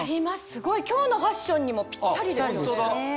すごい今日のファッションにもピッタリですよね。